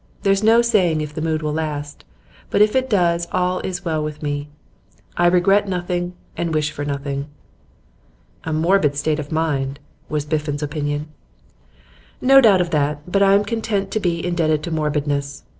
There's no saying if the mood will last, but if it does all is well with me. I regret nothing and wish for nothing.' 'A morbid state of mind,' was Biffen's opinion. 'No doubt of that, but I am content to be indebted to morbidness.